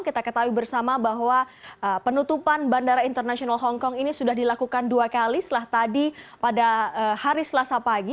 kita ketahui bersama bahwa penutupan bandara internasional hongkong ini sudah dilakukan dua kali setelah tadi pada hari selasa pagi